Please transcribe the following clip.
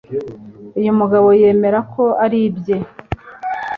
uyu mugabo yemera ko ari ibye